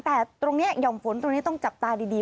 แต่ตรงนี้หย่อมฝนตรงนี้ต้องจับตาดี